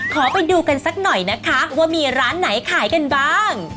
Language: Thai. ขอไปดูกันสักหน่อยนะคะว่ามีร้านไหนขายกันบ้าง